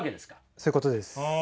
そういうことです。